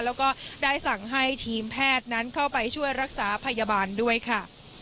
แล้วก็ได้สั่งให้ทีมแพทย์นั้นเข้าไปช่วยรักษาพยาบาลด้วยค่ะ